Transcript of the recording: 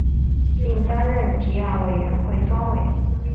并担任提案委员会专委。